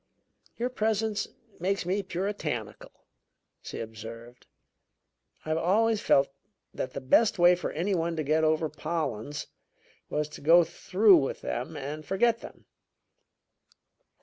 "Your presence makes me puritanical," she observed. "I have always felt that the best way for any one to get over Pollens was to go through with them and forget them."